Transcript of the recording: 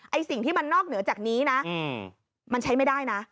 สิ่งที่มันนอกเหนือจากนี้นะมันใช้ไม่ได้นะ